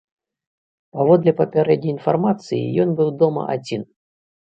Паводле папярэдняй інфармацыі, ён быў дома адзін.